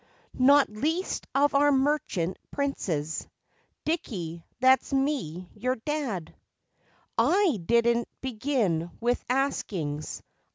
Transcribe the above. "Not least of our merchant princes." Dickie, that's me, your dad! I didn't begin with askings.